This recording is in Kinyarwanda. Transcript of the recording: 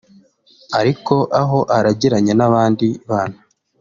Ariko aho aragiranye n’abandi bana